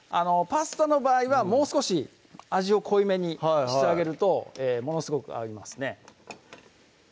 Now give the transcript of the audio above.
パスタの場合はもう少し味を濃いめにしてあげるとものすごく合いますね